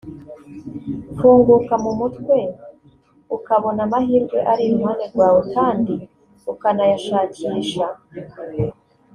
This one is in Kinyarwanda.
gufunguka mu mutwe ukabona amahirwe ari iruhande rwawe kandi ukanayashakisha